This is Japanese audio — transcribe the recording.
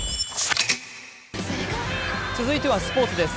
続いてはスポーツです。